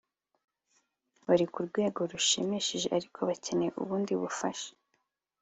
Bari ku rwego rwushimishije ariko bakeneye ubundi bufasha